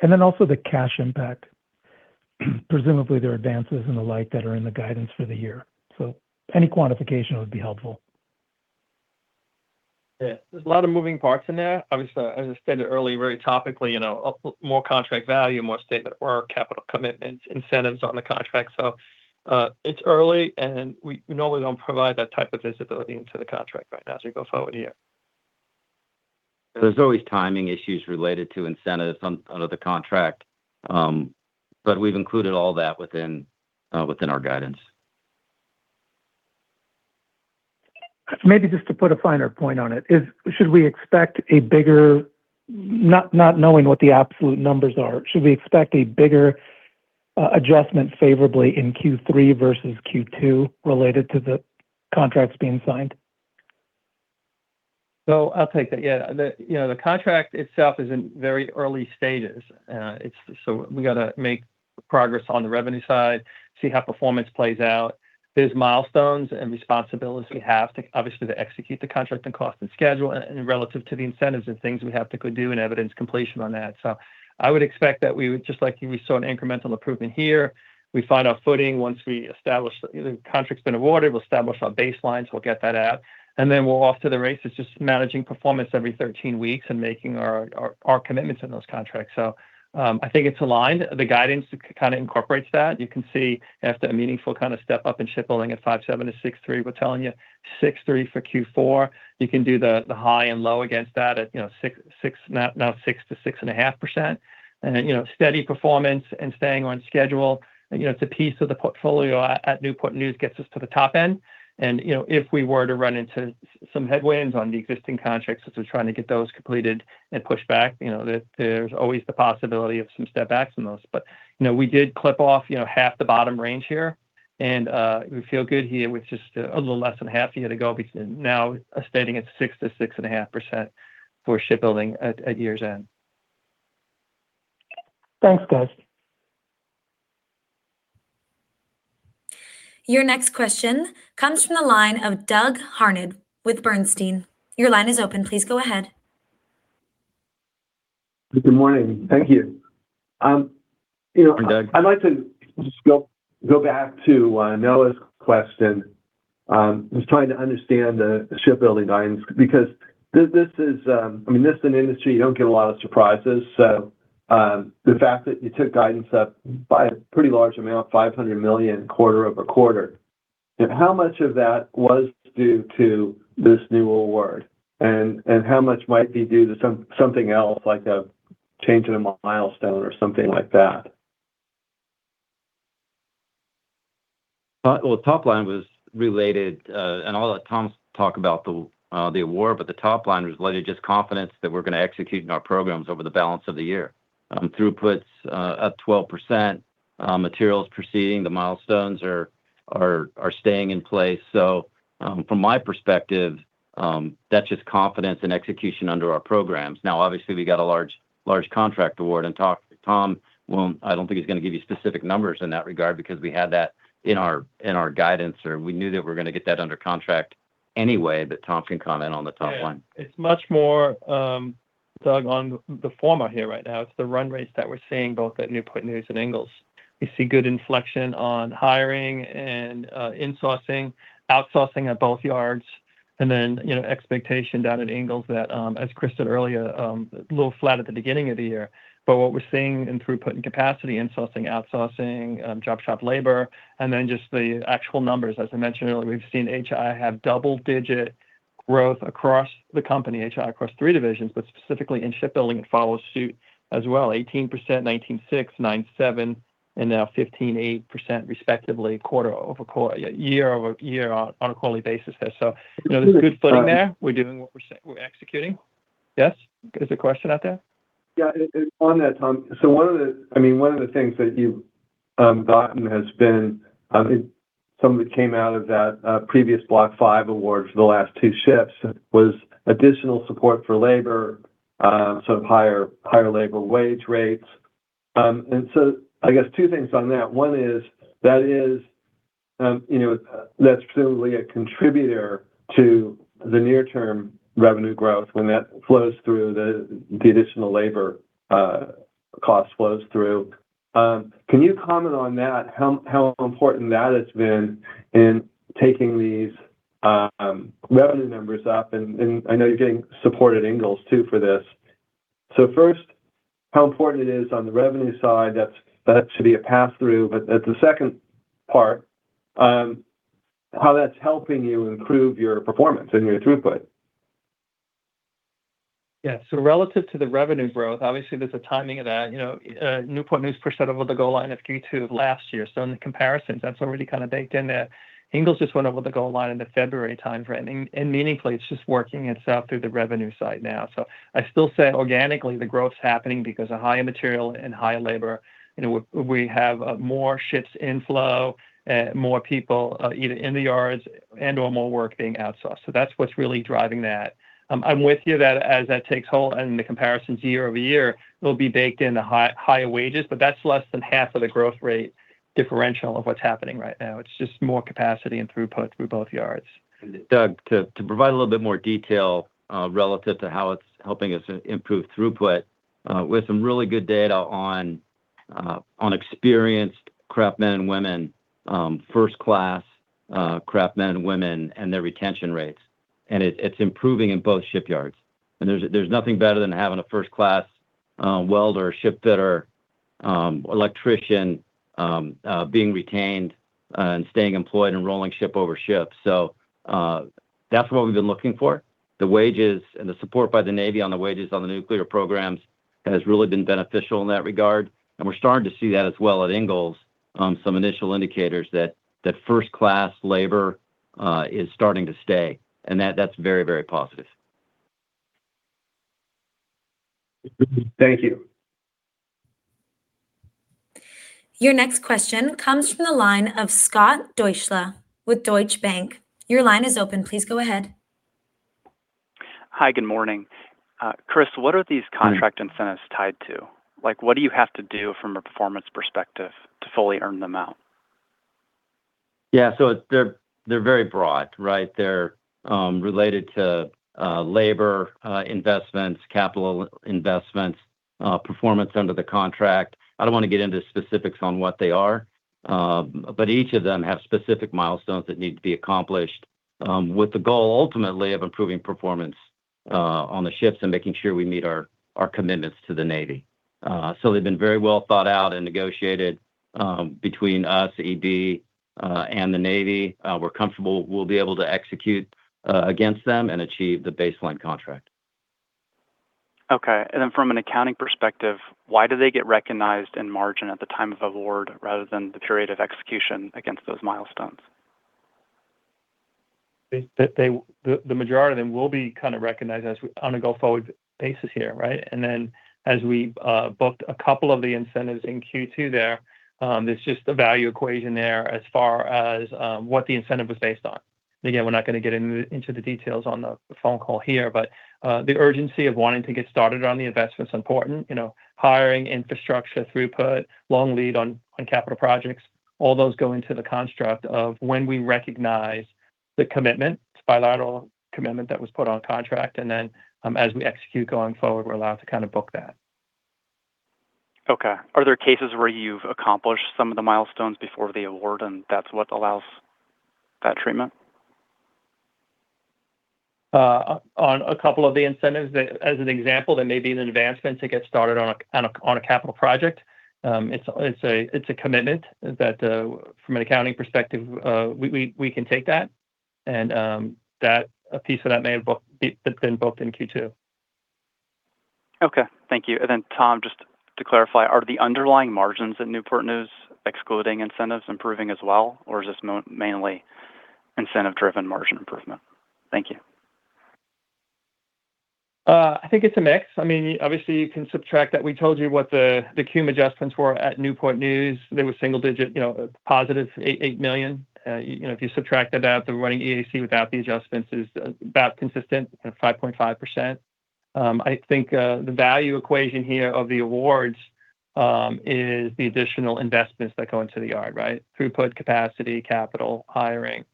Then also the cash impact. Presumably, there are advances and the like that are in the guidance for the year. Any quantification would be helpful. Yeah. There's a lot of moving parts in there. Obviously, as I stated earlier, very topically, more contract value, more statement or capital commitment incentives on the contract. It's early, and we normally don't provide that type of visibility into the contract right now as we go forward here. There's always timing issues related to incentives under the contract, but we've included all that within our guidance. Maybe just to put a finer point on it, not knowing what the absolute numbers are, should we expect a bigger adjustment favorably in Q3 versus Q2 related to the contracts being signed? I'll take that. Yeah. The contract itself is in very early stages. We got to make progress on the revenue side, see how performance plays out. There are milestones and responsibilities we have, obviously, to execute the contract and cost and schedule, relative to the incentives and things we have to go do and evidence completion on that. I would expect that we would, just like we saw an incremental improvement here, we find our footing once the contract's been awarded, we'll establish our baseline, we'll get that out. Then we're off to the race. It's just managing performance every 13 weeks and making our commitments in those contracts. I think it's aligned. The guidance kind of incorporates that. You can see after a meaningful kind of step up in shipbuilding at 5.7% to 6.3%, we're telling you 6.3% for Q4. You can do the high and low against that at now 6%-6.5%. Steady performance and staying on schedule. It's a piece of the portfolio at Newport News gets us to the top end, and if we were to run into some headwinds on the existing contracts as we're trying to get those completed and pushed back, there's always the possibility of some step backs in those. We did clip off half the bottom range here, and we feel good here with just a little less than half year to go, now standing at 6%-6.5% for shipbuilding at year's end. Thanks, guys. Your next question comes from the line of Doug Harned with Bernstein. Your line is open. Please go ahead. Good morning. Thank you. Hi, Doug. I'd like to just go back to Noah's question. Just trying to understand the shipbuilding guidance, because this is an industry you don't get a lot of surprises. The fact that you took guidance up by a pretty large amount, $500 million, quarter-over-quarter, how much of that was due to this new award? How much might be due to something else, like a change in a milestone or something like that? Top line was related, and I'll let Tom talk about the award, but the top line was related just confidence that we're going to execute in our programs over the balance of the year. Throughput's up 12%, materials proceeding. The milestones are staying in place. From my perspective, that's just confidence in execution under our programs. Obviously, we got a large contract award, Tom, I don't think he's going to give you specific numbers in that regard because we had that in our guidance, or we knew that we were going to get that under contract anyway. Tom can comment on the top line. Yeah. It's much more, Doug, on the former here right now. It's the run rates that we're seeing both at Newport News and Ingalls. We see good inflection on hiring and insourcing, outsourcing at both yards, then expectation down at Ingalls that, as Chris said earlier, a little flat at the beginning of the year. What we're seeing in throughput and capacity, insourcing, outsourcing, job shop labor, and then just the actual numbers. As I mentioned earlier, we've seen HII have double-digit growth across the company, HII across three divisions, but specifically in shipbuilding it follows suit as well, 18%, 19.6%, 9.7%, and now 15.8% respectively year-over-year on a quarterly basis there. There's good footing there. We're executing. Yes? Is there a question out there? On that, Tom, one of the things that you've gotten, some of it came out of that previous Block V award for the last two ships, was additional support for labor, higher labor wage rates. I guess two things on that. One is, that's presumably a contributor to the near-term revenue growth when the additional labor cost flows through. Can you comment on that, how important that has been in taking these revenue numbers up? I know you're getting support at Ingalls too for this. First, how important it is on the revenue side, that should be a pass-through, as a second part, how that's helping you improve your performance and your throughput. Relative to the revenue growth, obviously, there's a timing of that. Newport News pushed that over the goal line of Q2 of last year. In the comparisons, that's already kind of baked into that. Ingalls just went over the goal line into February timeframe, meaningfully it's just working itself through the revenue side now. I still say organically the growth's happening because of higher material and higher labor, we have more ships in flow, more people either in the yards and/or more work being outsourced. That's what's really driving that. I'm with you that as that takes hold and the comparisons year-over-year, it'll be baked in the higher wages, but that's less than half of the growth rate differential of what's happening right now. It's just more capacity and throughput through both yards. Doug, to provide a little bit more detail relative to how it's helping us improve throughput, we have some really good data on experienced craftsmen and women, first-class craftsmen and women, and their retention rates. It's improving in both shipyards. There's nothing better than having a first-class welder, ship fitter, electrician being retained and staying employed and rolling ship over ship. That's what we've been looking for. The wages and the support by the Navy on the wages on the nuclear programs has really been beneficial in that regard, and we're starting to see that as well at Ingalls on some initial indicators that first-class labor is starting to stay, and that's very, very positive. Thank you. Your next question comes from the line of Scott Deuschle with Deutsche Bank. Your line is open. Please go ahead. Hi. Good morning. Chris, what are these contract incentives tied to? What do you have to do from a performance perspective to fully earn them out? Yeah. They're very broad, right? They're related to labor investments, capital investments, performance under the contract. I don't want to get into specifics on what they are. Each of them have specific milestones that need to be accomplished with the goal, ultimately, of improving performance on the ships and making sure we meet our commitments to the Navy. They've been very well thought out and negotiated between us, EB, and the Navy. We're comfortable we'll be able to execute against them and achieve the baseline contract. Okay. From an accounting perspective, why do they get recognized in margin at the time of award rather than the period of execution against those milestones? The majority of them will be kind of recognized on a go-forward basis here, right? As we booked a couple of the incentives in Q2 there, it's just the value equation there as far as what the incentive was based on. Again, we're not going to get into the details on the phone call here, but the urgency of wanting to get started on the investment's important. Hiring, infrastructure, throughput, long lead on capital projects, all those go into the construct of when we recognize the commitment, it's a bilateral commitment that was put on contract, and then as we execute going forward, we're allowed to kind of book that. Okay. Are there cases where you've accomplished some of the milestones before the award, and that's what allows that treatment? On a couple of the incentives, as an example, there may be an advancement to get started on a capital project. It's a commitment that, from an accounting perspective, we can take that, a piece of that may have been booked in Q2. Okay. Thank you. Tom, just to clarify, are the underlying margins at Newport News, excluding incentives, improving as well? Or is this mainly incentive-driven margin improvement? Thank you. I think it's a mix. Obviously, you can subtract that. We told you what the QEM adjustments were at Newport News. They were single digit, a positive $8 million. If you subtract that out, the running EAC without the adjustments is about consistent at 5.5%. I think the value equation here of the awards is the additional investments that go into the yard, right? Throughput capacity, capital, hiring,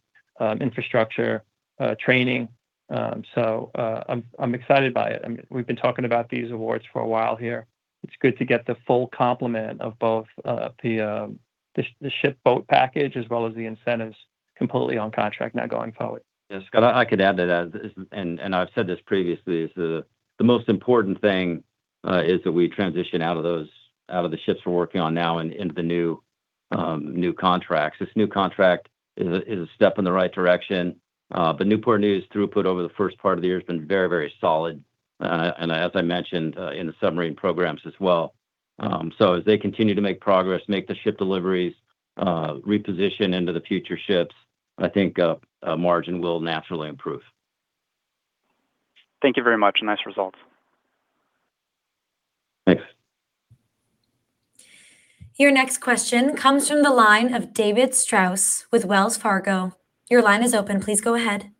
infrastructure, training. I'm excited by it. We've been talking about these awards for a while here. It's good to get the full complement of both the ship boat package as well as the incentives completely on contract now going forward. Yeah, Scott, I could add to that. I've said this previously. The most important thing is that we transition out of the ships we're working on now and into the new contracts. This new contract is a step in the right direction. The Newport News throughput over the first part of the year has been very, very solid, and as I mentioned, in the submarine programs as well. As they continue to make progress, make the ship deliveries, reposition into the future ships, I think margin will naturally improve. Thank you very much. Nice results. Thanks. Your next question comes from the line of David Strauss with Wells Fargo. Your line is open. Please go ahead.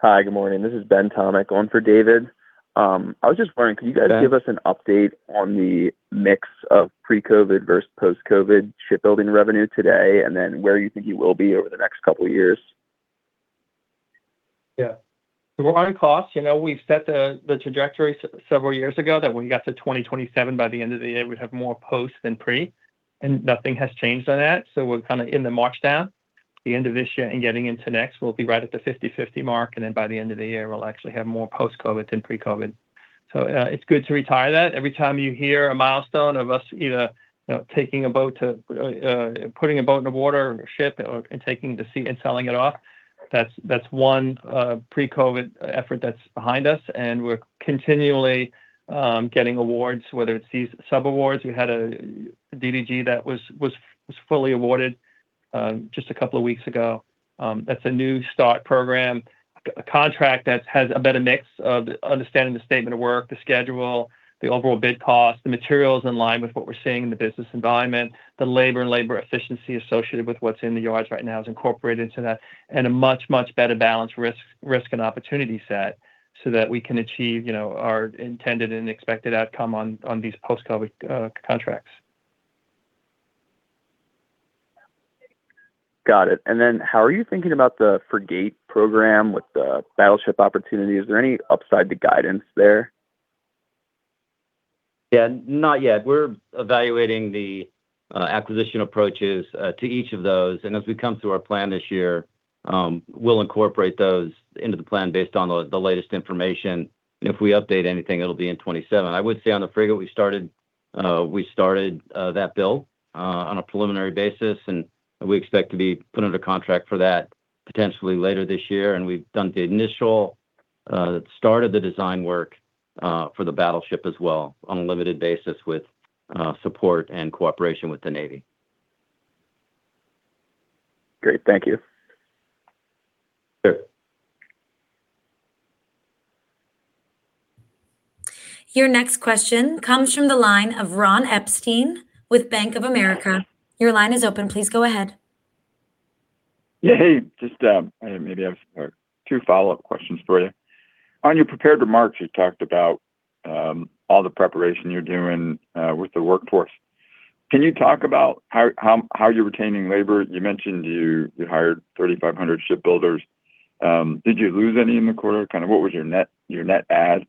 Hi. Good morning. This is [inaudible] on for David. I was just wondering could you guys give us an update on the mix of pre-COVID versus post-COVID shipbuilding revenue today, and then where you think you will be over the next couple of years? On costs, we've set the trajectory several years ago that when we got to 2027, by the end of the year, we'd have more post than pre, nothing has changed on that. We're kind of in the march down, the end of this year and getting into next, we'll be right at the 50/50 mark, and by the end of the year, we'll actually have more post-COVID than pre-COVID. It's good to retire that. Every time you hear a milestone of us either putting a boat in the water, or a ship, and taking the seat and selling it off, that's one pre-COVID effort that's behind us, and we're continually getting awards, whether it's these sub-awards. We had a DDG that was fully awarded just a couple of weeks ago. That's a new start program, a contract that has a better mix of understanding the statement of work, the schedule, the overall bid cost, the materials in line with what we're seeing in the business environment, the labor and labor efficiency associated with what's in the yards right now is incorporated into that. A much, much better balanced risk and opportunity set so that we can achieve our intended and expected outcome on these post-COVID contracts. Got it. How are you thinking about the frigate program with the battleship opportunity? Is there any upside to guidance there? Yeah. Not yet. We're evaluating the acquisition approaches to each of those. As we come to our plan this year, we'll incorporate those into the plan based on the latest information. If we update anything, it'll be in 2027. I would say on the frigate, we started that build on a preliminary basis. We expect to be put under contract for that potentially later this year, and we've done the initial start of the design work for the battleship as well on a limited basis with support and cooperation with the Navy. Great. Thank you. Sure. Your next question comes from the line of Ron Epstein with Bank of America. Your line is open. Please go ahead. Hey, just maybe I have two follow-up questions for you. On your prepared remarks, you talked about all the preparation you're doing with the workforce. Can you talk about how you're retaining labor? You mentioned you hired 3,500 shipbuilders. Did you lose any in the quarter? What was your net add?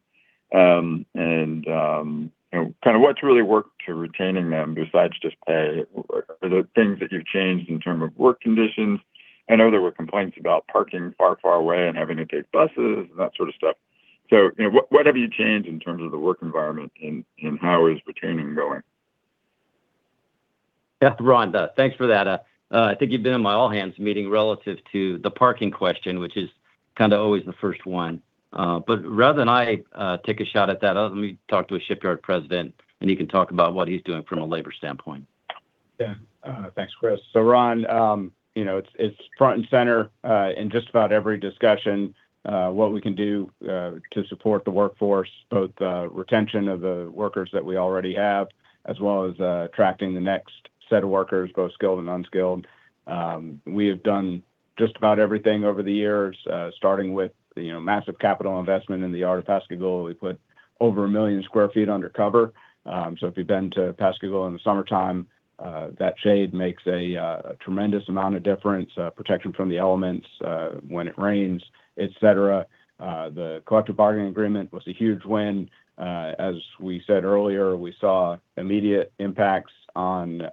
What's really worked to retaining them besides just pay? Are there things that you've changed in terms of work conditions? I know there were complaints about parking far, far away and having to take buses and that sort of stuff. What have you changed in terms of the work environment, and how is retaining going? Ron, thanks for that. I think you've been in my all hands meeting relative to the parking question, which is kind of always the first one. Rather than I take a shot at that, let me talk to a shipyard president, he can talk about what he's doing from a labor standpoint. Thanks, Chris. Ron, it's front and center in just about every discussion, what we can do to support the workforce, both the retention of the workers that we already have, as well as attracting the next set of workers, both skilled and unskilled. We have done just about everything over the years, starting with massive capital investment in the yard of Pascagoula. We put over a million square feet under cover. If you've been to Pascagoula in the summertime, that shade makes a tremendous amount of difference, protection from the elements when it rains, et cetera. The collective bargaining agreement was a huge win. As we said earlier, we saw immediate impacts on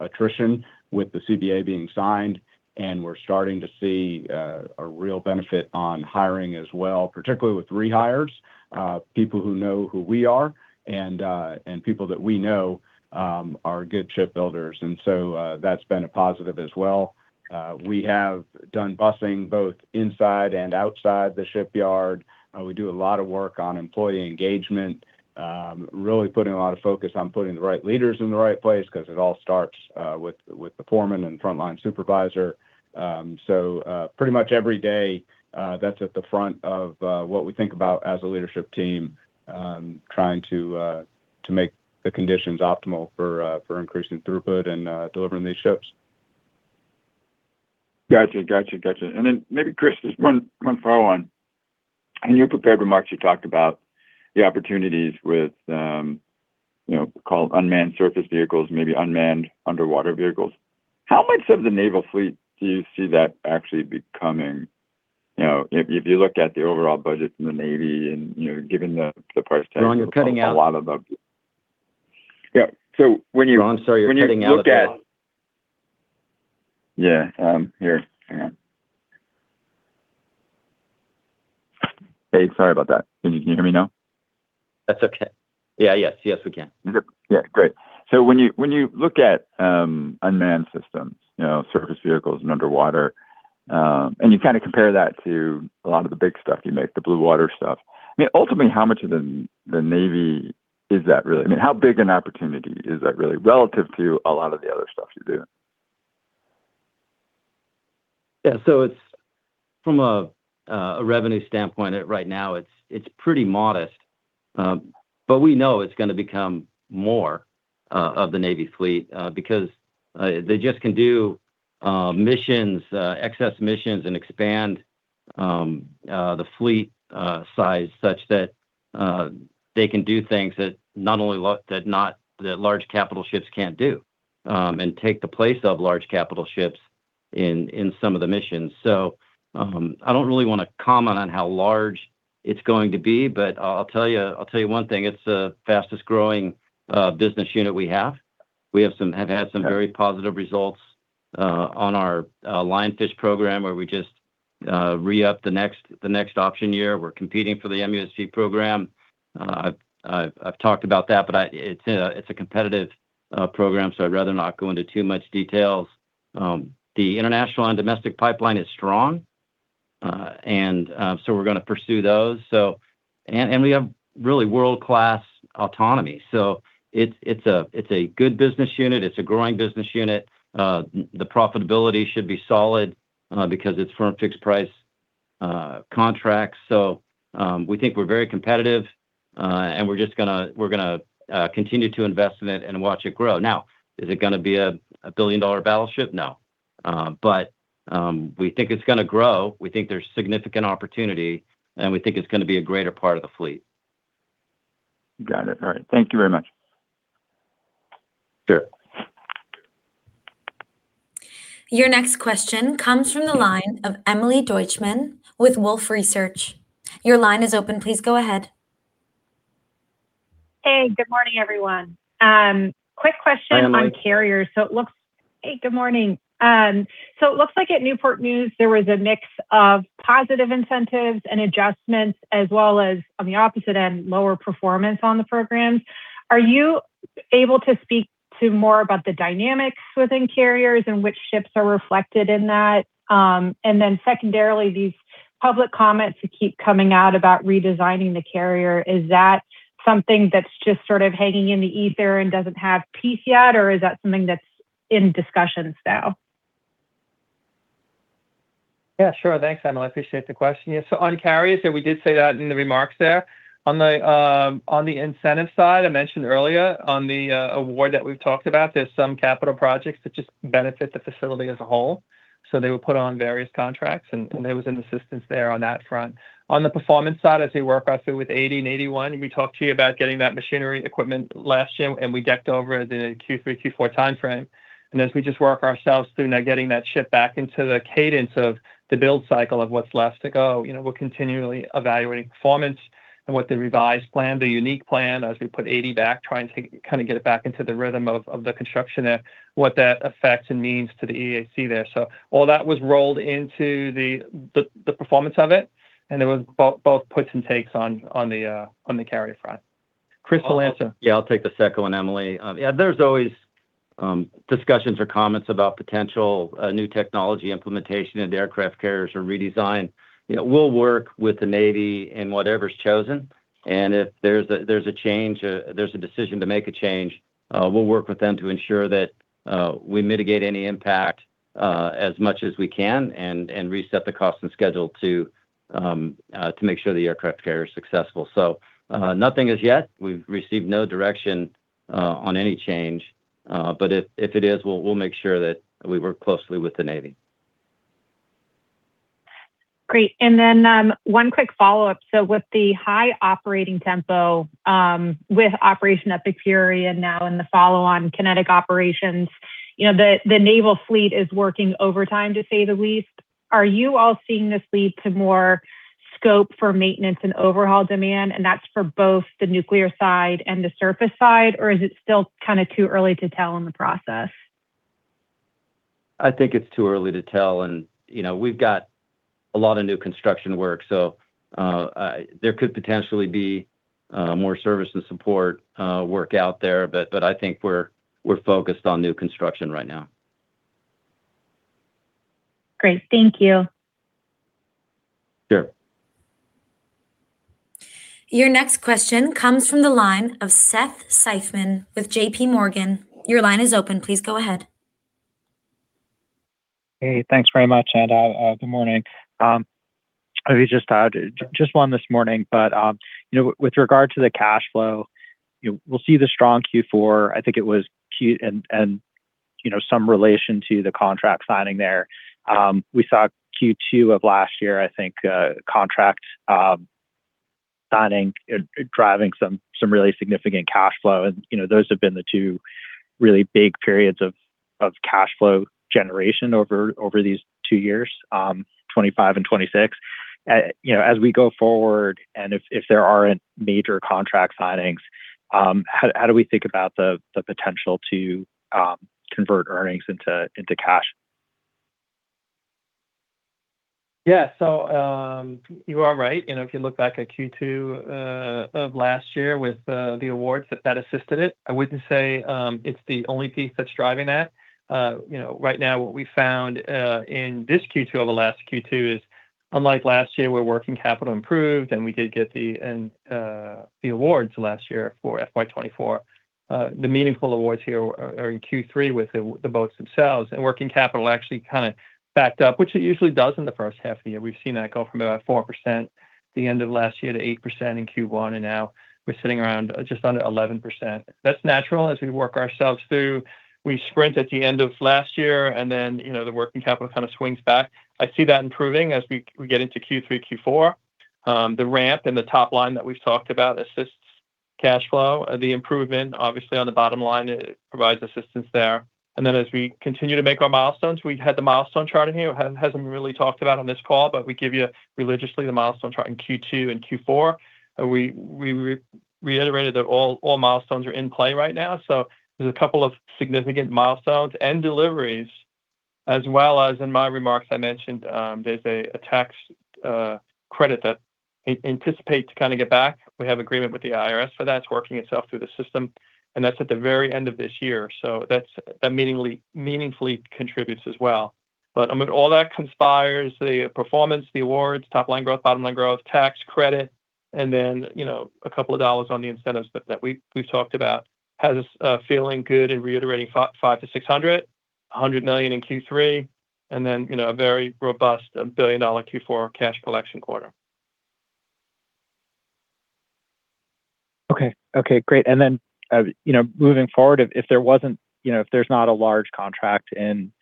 attrition with the CBA being signed, and we're starting to see a real benefit on hiring as well, particularly with rehires, people who know who we are and people that we know are good shipbuilders. That's been a positive as well. We have done busing both inside and outside the shipyard. We do a lot of work on employee engagement, really putting a lot of focus on putting the right leaders in the right place because it all starts with the foreman and frontline supervisor. Pretty much every day, that's at the front of what we think about as a leadership team, trying to make the conditions optimal for increasing throughput and delivering these ships. Got you. Maybe Chris, just one follow on. In your prepared remarks, you talked about the opportunities with unmanned surface vehicles, maybe unmanned underwater vehicles. How much of the naval fleet do you see that actually becoming? If you look at the overall budgets in the Navy and given the price tag- Ron, you're cutting out a lot of the- Yeah. When you- Ron, sorry, you're cutting out a bit Here. Hang on. Hey, sorry about that. Can you hear me now? That's okay. Yeah. Yes, we can. Yep. Yeah, great. When you look at unmanned systems, surface vehicles and underwater, and you compare that to a lot of the big stuff you make, the blue water stuff, ultimately, how much of the Navy is that really? How big an opportunity is that really relative to a lot of the other stuff you do? From a revenue standpoint right now, it's pretty modest. We know it's going to become more of the Navy fleet because they just can do excess missions and expand the fleet size such that they can do things that large capital ships can't do and take the place of large capital ships in some of the missions. I don't really want to comment on how large it's going to be, but I'll tell you one thing, it's the fastest-growing business unit we have. We have had some very positive results on our Lionfish program where we just re-upped the next option year. We're competing for the MUSV program. I've talked about that, it's a competitive program, so I'd rather not go into too much details. The international and domestic pipeline is strong, we're going to pursue those. We have really world-class autonomy. It's a good business unit. It's a growing business unit. The profitability should be solid because it's firm fixed price contracts. We think we're very competitive, and we're going to continue to invest in it and watch it grow. Now, is it going to be $1 billion battleship? No. We think it's going to grow. We think there's significant opportunity, and we think it's going to be a greater part of the fleet. Got it. All right. Thank you very much. Sure. Your next question comes from the line of Emilee Deutchman with Wolfe Research. Your line is open. Please go ahead. Hey, good morning, everyone. Quick question- Hi, Emilee. on carriers. Hey, good morning. It looks like at Newport News, there was a mix of positive incentives and adjustments as well as, on the opposite end, lower performance on the programs. Are you able to speak to more about the dynamics within carriers and which ships are reflected in that? Secondarily, these public comments that keep coming out about redesigning the carrier, is that something that's just sort of hanging in the ether and doesn't have teeth yet, or is that something that's in discussions now? Yeah, sure. Thanks, Emilee. I appreciate the question. Yeah. On carriers, we did say that in the remarks there. On the incentive side, I mentioned earlier on the award that we've talked about, there's some capital projects that just benefit the facility as a whole. They were put on various contracts, and there was an assistance there on that front. On the performance side, as we work our way through with 80 and 81, we talked to you about getting that machinery equipment last year, and we decked over the Q3/Q4 timeframe. As we just work ourselves through now getting that ship back into the cadence of the build cycle of what's left to go, we're continually evaluating performance and what the revised plan, the unique plan as we put 80 back, trying to kind of get it back into the rhythm of the construction there, what that affects and means to the EAC there. All that was rolled into the performance of it, and it was both puts and takes on the carrier front. Chris can answer. Yeah, I'll take the second one, Emilee. Yeah, there's always discussions or comments about potential new technology implementation into aircraft carriers or redesign. We'll work with the Navy in whatever's chosen, and if there's a decision to make a change, we'll work with them to ensure that we mitigate any impact as much as we can and reset the cost and schedule to make sure the aircraft carrier is successful. Nothing as yet. We've received no direction on any change. If it is, we'll make sure that we work closely with the Navy. Great. Then one quick follow-up. With the high operating tempo with Operation Prosperity Guardian now and the follow-on kinetic operations, the naval fleet is working overtime, to say the least. Are you all seeing this lead to more scope for maintenance and overhaul demand? That's for both the nuclear side and the surface side? Or is it still kind of too early to tell in the process? I think it's too early to tell, and we've got a lot of new construction work, so there could potentially be more service and support work out there. I think we're focused on new construction right now. Great. Thank you. Sure. Your next question comes from the line of Seth Seifman with JPMorgan. Your line is open. Please go ahead. Hey, thanks very much. Good morning. Just one this morning. With regard to the cash flow, we'll see the strong Q4, I think it was Q, and some relation to the contract signing there. We saw Q2 of last year, I think, contract signing driving some really significant cash flow, and those have been the two really big periods of cash flow generation over these two years, 2025 and 2026. As we go forward and if there aren't major contract signings, how do we think about the potential to convert earnings into cash? Yeah. You are right. If you look back at Q2 of last year with the awards, that assisted it. I wouldn't say it's the only piece that's driving that. Right now, what we found, in this Q2 over last Q2, is unlike last year, where working capital improved. We did get the awards last year for FY 2024. The meaningful awards here are in Q3 with the boats themselves. Working capital actually kind of backed up, which it usually does in the first half of the year. We've seen that go from about 4% at the end of last year to 8% in Q1, and now we're sitting around just under 11%. That's natural as we work ourselves through. We sprint at the end of last year. Then the working capital kind of swings back. I see that improving as we get into Q3, Q4. The ramp and the top line that we've talked about assists cash flow. The improvement, obviously, on the bottom line, it provides assistance there. As we continue to make our milestones, we've had the milestone chart in here. It hasn't really been talked about on this call, but we give you religiously the milestone chart in Q2 and Q4. We reiterated that all milestones are in play right now. There's a couple of significant milestones and deliveries as well as in my remarks, I mentioned, there's a tax credit that we anticipate to kind of get back. We have agreement with the IRS for that. It's working itself through the system, and that's at the very end of this year. That meaningfully contributes as well. All that conspires, the performance, the awards, top-line growth, bottom-line growth, tax credit, and then a couple of dollars on the incentives that we've talked about, has us feeling good and reiterating $500 million-$600 million, $100 million in Q3, and then a very robust $1 billion Q4 cash collection quarter. Okay. Great. Moving forward, if there's not a large contract in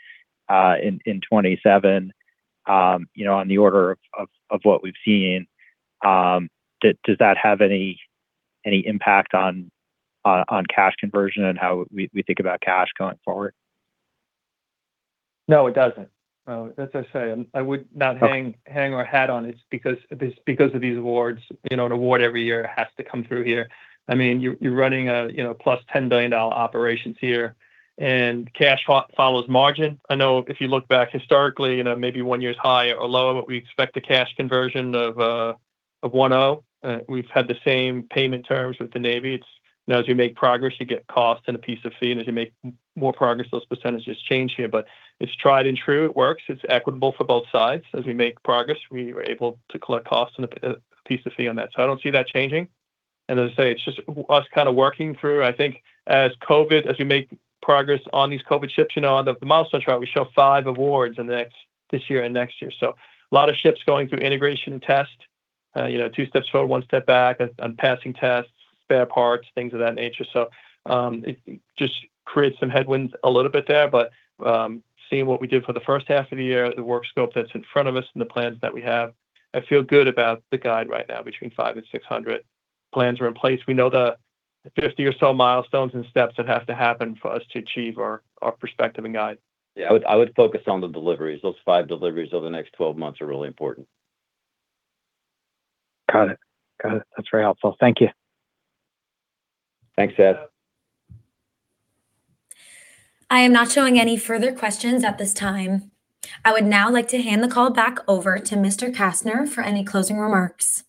2027 on the order of what we've seen, does that have any impact on cash conversion and how we think about cash going forward? No, it doesn't. No. As I say, I would not hang our hat on it because of these awards. An award every year has to come through here. You're running a +$10 billion operations here, cash follows margin. I know if you look back historically, maybe one year's high or low, but we expect a cash conversion of 1.0. We've had the same payment terms with the Navy. As you make progress, you get cost and a piece of fee. As you make more progress, those percentages change here. It's tried and true. It works. It's equitable for both sides. As we make progress, we are able to collect cost and a piece of fee on that. I don't see that changing. As I say, it's just us kind of working through. I think as we make progress on these COVID ships, on the milestone chart, we show five awards in this year and next year. A lot of ships going through integration and test. Two steps forward, one step back on passing tests, spare parts, things of that nature. It just creates some headwinds a little bit there. Seeing what we did for the first half of the year, the work scope that's in front of us, and the plans that we have, I feel good about the guide right now between $500 million and $600 million. Plans are in place. We know the 50 or so milestones and steps that have to happen for us to achieve our perspective and guide. Yeah. I would focus on the deliveries. Those five deliveries over the next 12 months are really important. Got it. That's very helpful. Thank you. Thanks, Seth. I am not showing any further questions at this time. I would now like to hand the call back over to Mr. Kastner for any closing remarks.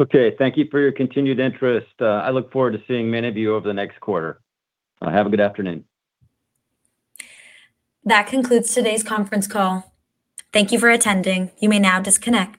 Okay. Thank you for your continued interest. I look forward to seeing many of you over the next quarter. Have a good afternoon. That concludes today's conference call. Thank you for attending. You may now disconnect.